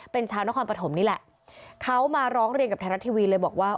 เป็นชาวนครปฐมนี่แหละเขามาร้องเรียนกับไทยรัฐทีวีเลยบอกว่า